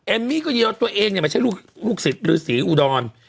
เอมมี่ก็ยอดตัวเองมาใช้ลูกศิษย์ลูกศิษย์อุดร